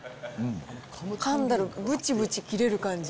かんだらぶちぶち切れる感じ。